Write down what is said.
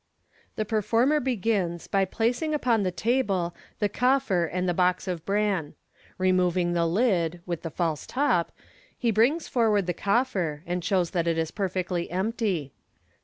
The performer begins by placing upon the table the coffer and the box of bran. Removing the lid (with the false top), he brings for ward the coffer, and shows that it is perfectly empty.